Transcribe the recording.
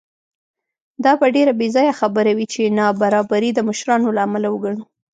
دا به ډېره بېځایه خبره وي چې نابرابري د مشرانو له امله وګڼو.